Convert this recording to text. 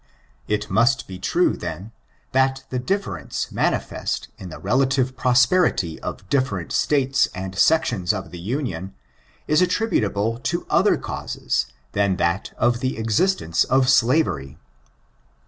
It must be true, then, that the difference mamfest in the relative prosperity of different States and sections of the Union, is attributable to other causes than that of the existence of slavery.